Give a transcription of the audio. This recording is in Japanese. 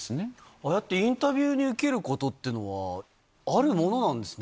ああやって、インタビューで受けることというのは、あるものなんですね。